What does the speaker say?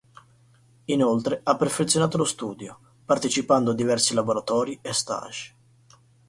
Inoltre ha perfezionato lo studio, partecipando a diversi laboratori e stages.